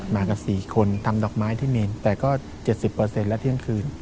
มากับสี่คนทำดอกไม้ที่เมนแต่ก็เจ็ดสิบเปอร์เซ็นต์แล้วเที่ยงคืน